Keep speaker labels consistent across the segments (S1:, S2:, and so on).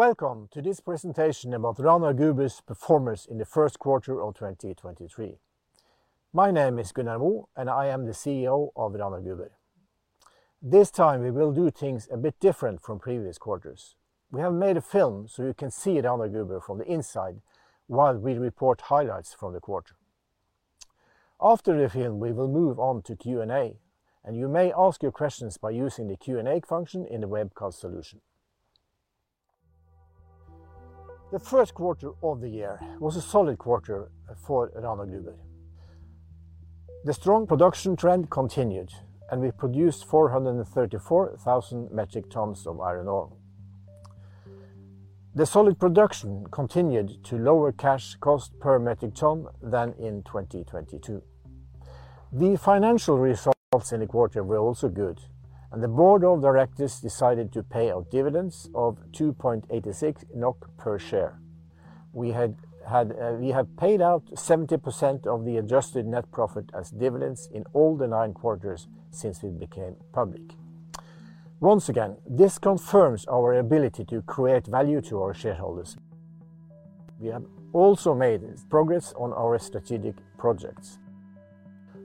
S1: Welcome to this presentation about Rana Gruber's performance in the first quarter of 2023. My name is Gunnar Moe, and I am the CEO of Rana Gruber. This time we will do things a bit different from previous quarters. We have made a film so you can see Rana Gruber from the inside while we report highlights from the quarter. After the film, we will move on to Q&A, and you may ask your questions by using the Q&A function in the webcast solution. The Q1 of the year was a solid quarter for Rana Gruber. The strong production trend continued, and we produced 434,000 metric tons of iron ore. The solid production continued to lower cash cost per metric ton than in 2022. The financial results in the quarter were also good, and the board of directors decided to pay out dividends of 2.86 NOK per share. We have paid out 70% of the adjusted net profit as dividends in all the nine quarters since we became public. Once again, this confirms our ability to create value to our shareholders. We have also made progress on our strategic projects.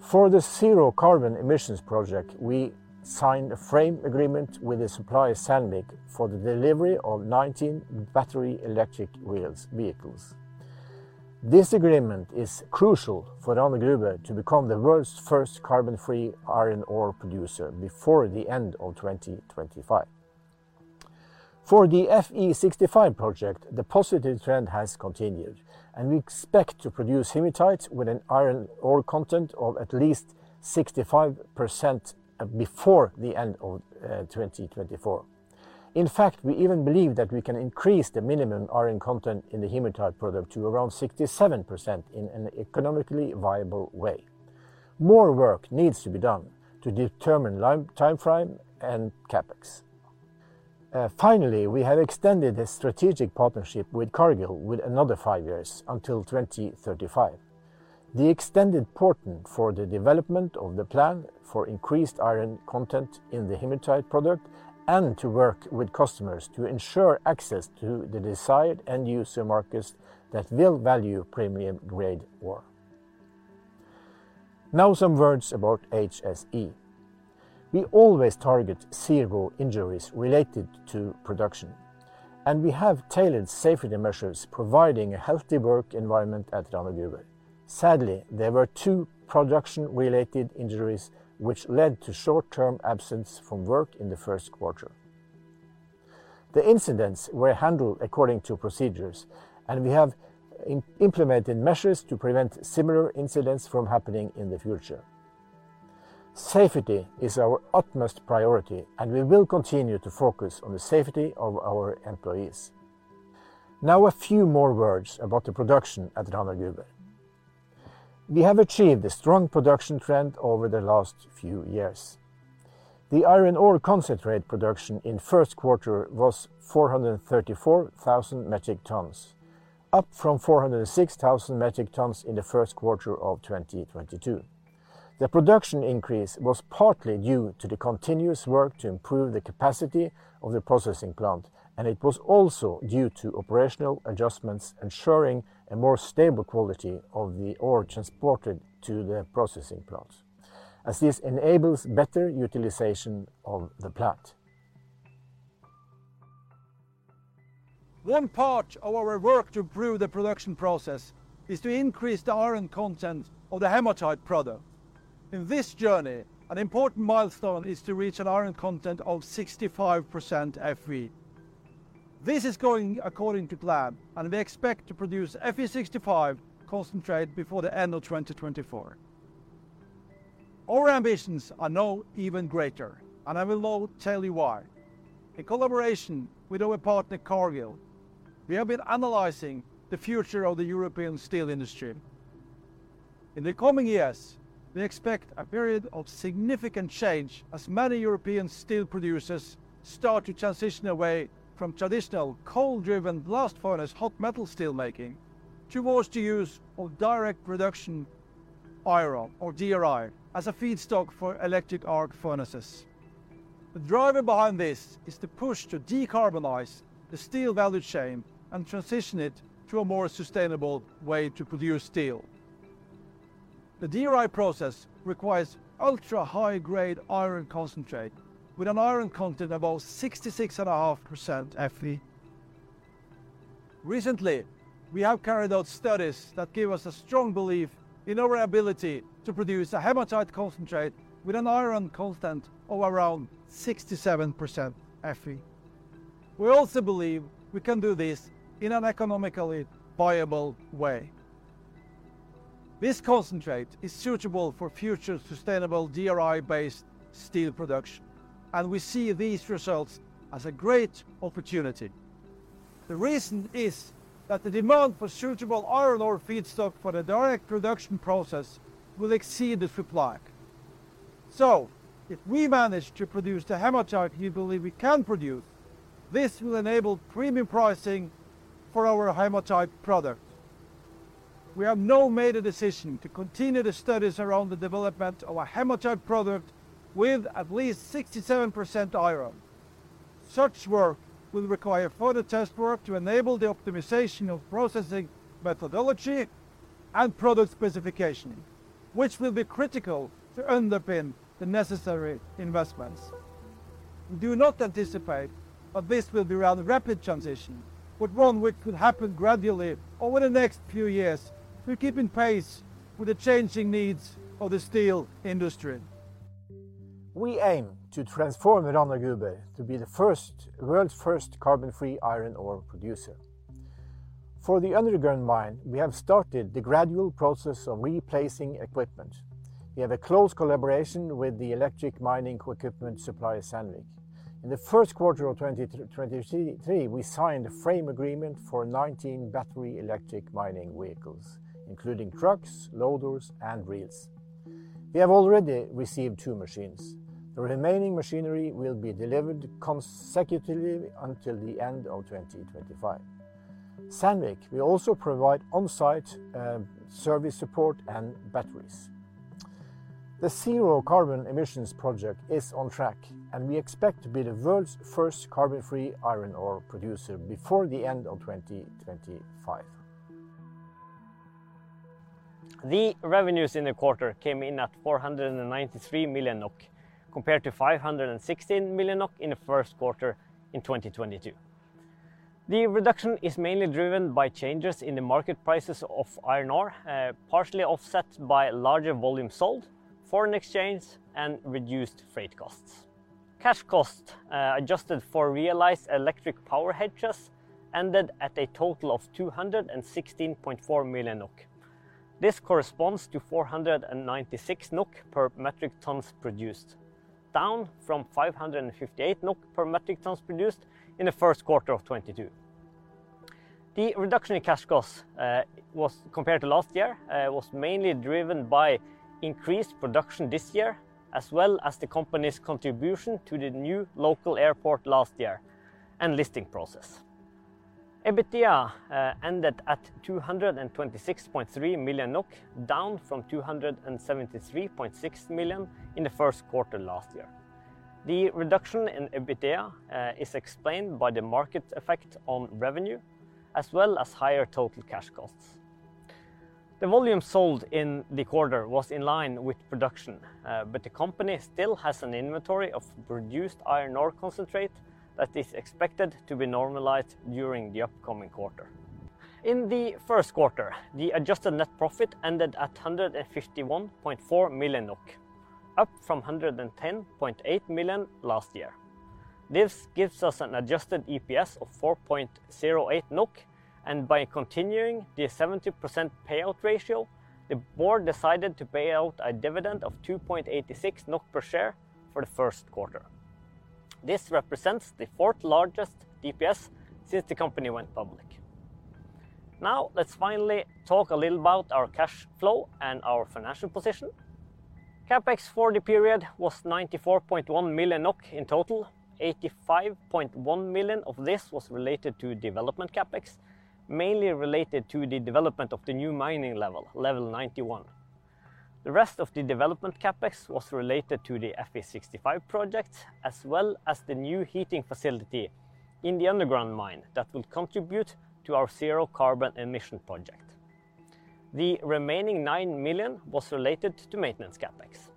S1: For the zero-carbon emissions project, we signed a frame agreement with the supplier Sandvik for the delivery of 19 battery-electric vehicles. This agreement is crucial for Rana Gruber to become the world's first carbon-free iron ore producer before the end of 2025. For the Fe65 Project, the positive trend has continued, and we expect to produce hematite with an iron ore content of at least 65% before the end of 2024. In fact, we even believe that we can increase the minimum iron content in the hematite product to around 67% in an economically viable way. More work needs to be done to determine time, timeframe and CapEx. Finally, we have extended a strategic partnership with Cargill with another five years until 2035. The extended important for the development of the plan for increased iron content in the hematite product and to work with customers to ensure access to the desired end user markets that will value premium-grade ore. Now some words about HSE. We always target zero injuries related to production, and we have tailored safety measures providing a healthy work environment at Rana Gruber. Sadly, there were two production-related injuries which led to short-term absence from work in the Q1. The incidents were handled according to procedures, and we have implemented measures to prevent similar incidents from happening in the future. Safety is our utmost priority, and we will continue to focus on the safety of our employees. A few more words about the production at Rana Gruber. We have achieved a strong production trend over the last few years. The iron ore concentrate production in Q1 was 434,000 metric tons, up from 406,000 metric tons in the Q1 of 2022. The production increase was partly due to the continuous work to improve the capacity of the processing plant, and it was also due to operational adjustments ensuring a more stable quality of the ore transported to the processing plant, as this enables better utilization of the plant. One part of our work to improve the production process is to increase the iron content of the hematite product. In this journey, an important milestone is to reach an iron content of 65% Fe. This is going according to plan, and we expect to produce Fe65 concentrate before the end of 2024. Our ambitions are now even greater, and I will now tell you why. In collaboration with our partner Cargill, we have been analyzing the future of the European steel industry. In the coming years, we expect a period of significant change as many European steel producers start to transition away from traditional coal-driven blast furnace hot metal steel making towards the use of Direct Reduced Iron, or DRI, as a feedstock for electric arc furnaces. The driver behind this is the push to decarbonize the steel value chain and transition it to a more sustainable way to produce steel. The DRI process requires ultra-high grade iron concentrate with an iron content above 66.5% Fe. Recently, we have carried out studies that give us a strong belief in our ability to produce a hematite concentrate with an iron content of around 67% Fe. We also believe we can do this in an economically viable way. This concentrate is suitable for future sustainable DRI-based steel production, and we see these results as a great opportunity. The reason is that the demand for suitable iron ore feedstock for the direct production process will exceed the supply. If we manage to produce the hematite we believe we can produce, this will enable premium pricing for our hematite product. We have now made a decision to continue the studies around the development of a hematite product with at least 67% iron. Such work will require further test work to enable the optimization of processing methodology and product specification, which will be critical to underpin the necessary investments. We do not anticipate that this will be a rather rapid transition, but one which could happen gradually over the next few years to keep in pace with the changing needs of the steel industry. We aim to transform Rana Gruber to be the world's first carbon-free iron ore producer. For the underground mine, we have started the gradual process of replacing equipment. We have a close collaboration with the electric mining equipment supplier Sandvik. In the Q1 of 2023, we signed a frame agreement for 19 battery-electric mining vehicles, including trucks, loaders, and drills. We have already received two machines. The remaining machinery will be delivered consecutively until the end of 2025. Sandvik will also provide on-site service support and batteries. The zero carbon emissions project is on track, and we expect to be the world's first carbon-free iron ore producer before the end of 2025.
S2: The revenues in the quarter came in at 493 million NOK compared to 516 million NOK in the Q1 in 2022. The reduction is mainly driven by changes in the market prices of iron ore, partially offset by larger volume sold, foreign exchange, and reduced freight costs. Cash cost, adjusted for realized electric power hedges ended at a total of 216.4 million NOK. This corresponds to 496 NOK per metric tons produced, down from 558 NOK per metric tons produced in the Q1 of 2022. The reduction in cash costs, compared to last year, was mainly driven by increased production this year as well as the company's contribution to the new local airport last year and listing process. EBITDA ended at 226.3 million NOK, down from 273.6 million in the Q1 last year. The reduction in EBITDA is explained by the market effect on revenue as well as higher total cash costs. The volume sold in the quarter was in line with production, but the company still has an inventory of reduced iron ore concentrate that is expected to be normalized during the upcoming quarter. In the Q1, the adjusted net profit ended at 151.4 million, up from 110.8 million last year. This gives us an adjusted EPS of 4.08 NOK, by continuing the 70% payout ratio, the board decided to pay out a dividend of 2.86 NOK per share for the Q1. This represents the fourth largest DPS since the company went public. Let's finally talk a little about our cash flow and our financial position. CapEx for the period was 94.1 million NOK in total. 85.1 million of this was related to development CapEx, mainly related to the development of the new mining level 91. The rest of the development CapEx was related to the Fe65 Project, as well as the new heating facility in the underground mine that will contribute to our zero-carbon emissions project. The remaining 9 million was related to maintenance CapEx.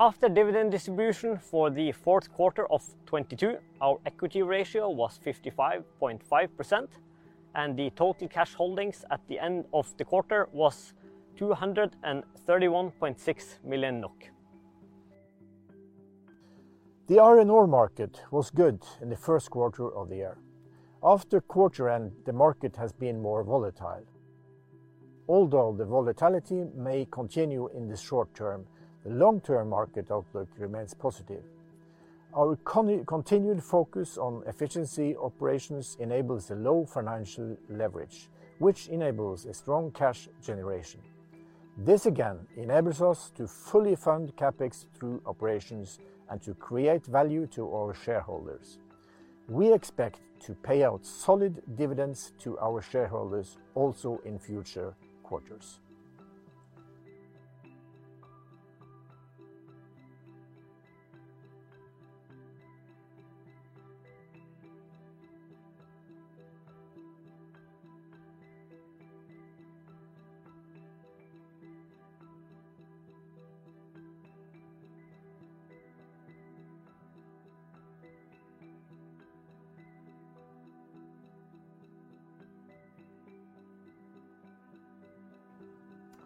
S2: After dividend distribution for the Q4 of 2022, our equity ratio was 55.5%, and the total cash holdings at the end of the quarter was 231.6 million NOK.
S1: The iron ore market was good in the Q1 of the year. After quarter end, the market has been more volatile. Although the volatility may continue in the short term, the long-term market outlook remains positive. Our continued focus on efficiency operations enables a low financial leverage, which enables a strong cash generation. This again enables us to fully fund CapEx through operations and to create value to our shareholders. We expect to pay out solid dividends to our shareholders also in future quarters.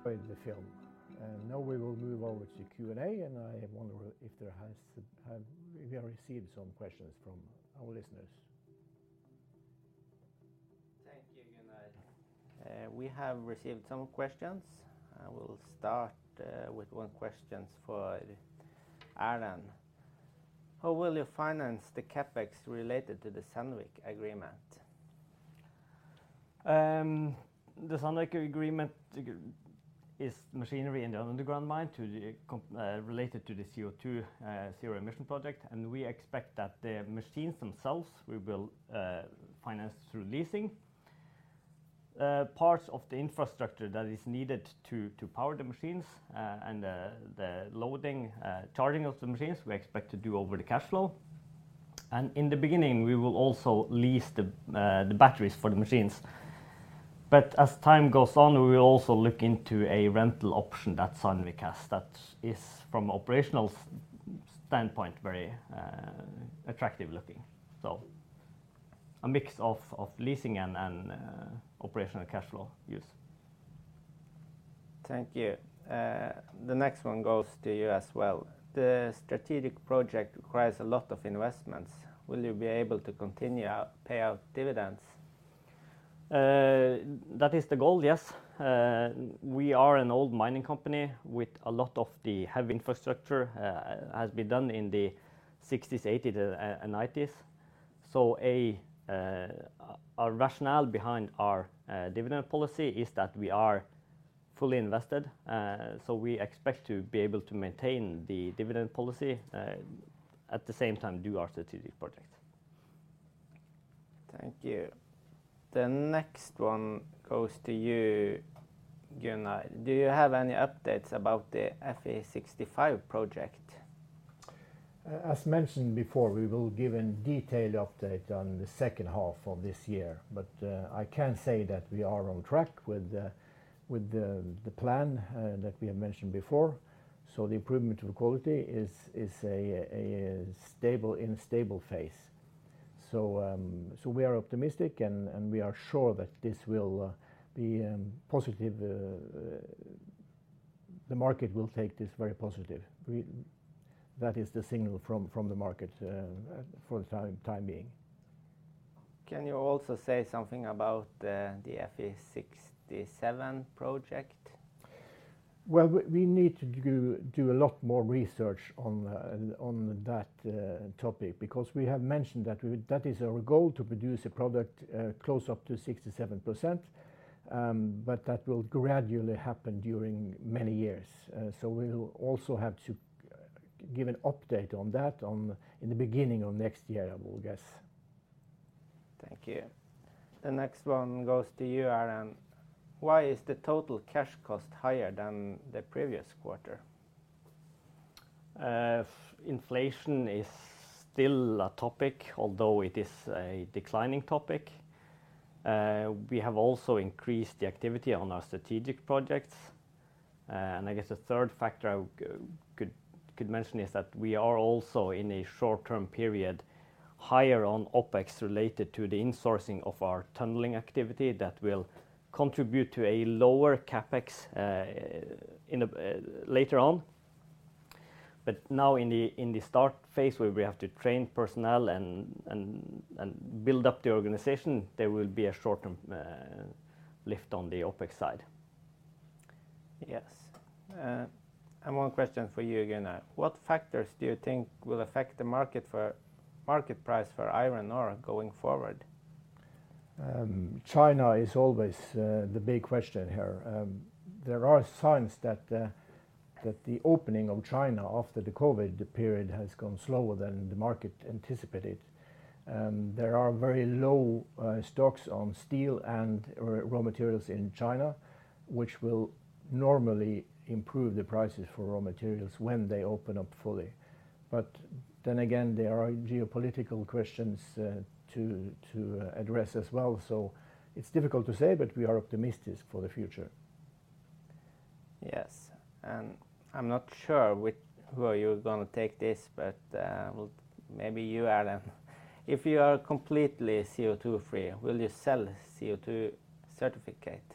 S1: With the film. Now we will move over to Q&A, and I wonder if we have received some questions from our listeners.
S3: Thank you, Gunnar. We have received some questions. I will start, with one questions for Erlend. How will you finance the CapEx related to the Sandvik agreement?
S2: The Sandvik agreement is machinery in the underground mine related to the CO2 zero emission project. We expect that the machines themselves, we will finance through leasing. Parts of the infrastructure that is needed to power the machines and the loading charging of the machines, we expect to do over the cashflow. In the beginning, we will also lease the batteries for the machines. As time goes on, we will also look into a rental option that's on the cast that is from operational standpoint, very attractive looking. A mix of leasing and operational cashflow use.
S3: Thank you. The next one goes to you as well. The strategic project requires a lot of investments. Will you be able to pay out dividends?
S2: That is the goal, yes. We are an old mining company with a lot of the heavy infrastructure has been done in the 1960s, 1980 to 1990s. A rationale behind our dividend policy is that we are fully invested, so we expect to be able to maintain the dividend policy at the same time, do our strategic project.
S3: Thank you. The next one goes to you, Gunnar. Do you have any updates about the Fe65 Project?
S1: As mentioned before, we will give a detailed update on the H2 of this year. I can say that we are on track with the plan that we have mentioned before, so the improvement to the quality is a stable phase. We are optimistic and we are sure that this will be positive. The market will take this very positive. That is the signal from the market for the time being.
S3: Can you also say something about the Fe67 Project?
S1: We need to do a lot more research on that topic because we have mentioned that we, that is our goal to produce a product close up to 67%, but that will gradually happen during many years. We'll also have to give an update on that on, in the beginning of next year, I will guess.
S3: Thank you. The next one goes to you, Erlend. Why is the total cash cost higher than the previous quarter?
S2: Inflation is still a topic, although it is a declining topic. We have also increased the activity on our strategic projects. I guess a third factor I could mention is that we are also in a short-term period, higher on OpEx related to the insourcing of our tunneling activity that will contribute to a lower CapEx in a later on. Now in the start phase where we have to train personnel and build up the organization, there will be a short-term lift on the OpEx side.
S3: Yes. One question for you, Gunnar. What factors do you think will affect the market price for iron ore going forward?
S1: China is always the big question here. There are signs that the opening of China after the COVID period has gone slower than the market anticipated. There are very low stocks on steel and raw materials in China, which will normally improve the prices for raw materials when they open up fully. There are geopolitical questions to address as well. It's difficult to say, but we are optimistic for the future.
S3: Yes. I'm not sure which, who are you gonna take this, but, well, maybe you, Aron. If you are completely CO2 free, will you sell CO2 certificate?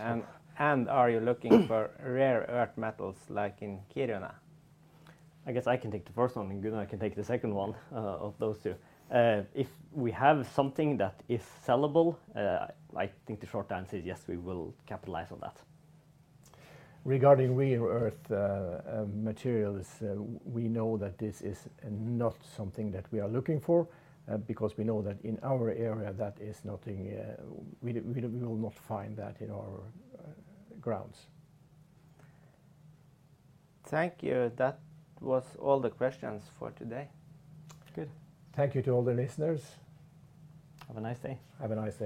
S3: Are you looking for rare earth metals like in Kiruna?
S2: I guess I can take the first one, and Gunnar can take the second one, of those two. If we have something that is sellable, I think the short answer is yes, we will capitalize on that.
S1: Regarding rare earth materials, we know that this is not something that we are looking for, because we know that in our area, that is nothing, we will not find that in our grounds.
S3: Thank you. That was all the questions for today.
S2: Good.
S1: Thank you to all the listeners.
S2: Have a nice day.
S1: Have a nice day.